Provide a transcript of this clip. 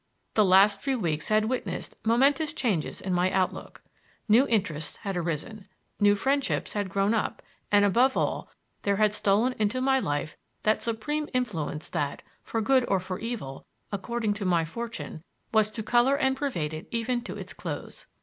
The last few weeks had witnessed momentous changes in my outlook. New interests had arisen, new friendships had grown up, and above all, there had stolen into my life that supreme influence that, for good or for evil, according to my fortune, was to color and pervade it even to its close.